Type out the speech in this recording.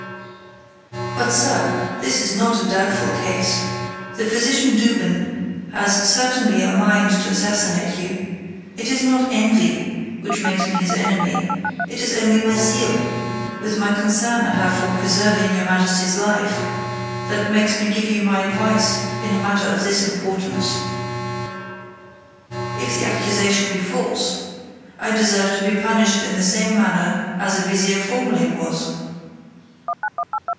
But, Sir, this is not a doubtful case; the physician Douban has certainly a mind to assassinate you. It is not envy which makes me his enemy; it is only my zeal, with the concern I have for preserving your majesty's life, that makes me give you my advice in a matter of this importance. If the accusation be false, I deserve to be punished in the same manner as a vizier formerly was."